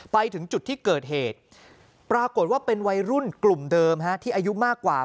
ไปถึงจุดที่เกิดเหตุปรากฏว่าเป็นวัยรุ่นกลุ่มเดิมที่อายุมากกว่า